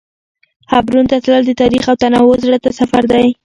حبرون ته تلل د تاریخ او تنوع زړه ته سفر دی.